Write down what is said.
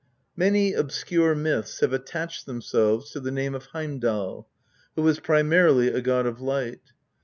Many obscure myths have attached themselves to the name of Heimdal, who was primarily a god of light.